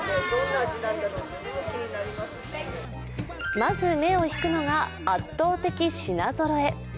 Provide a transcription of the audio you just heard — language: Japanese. まず目を引くのが、圧倒的品ぞろえ。